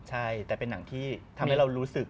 ใช่แต่เป็นหนังที่ทำให้เรารู้สึก